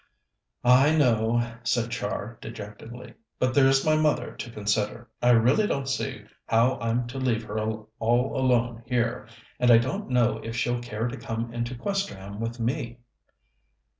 "I know," said Char dejectedly. "But there's my mother to consider. I really don't see how I'm to leave her all alone here, and I don't know if she'll care to come into Questerham with me."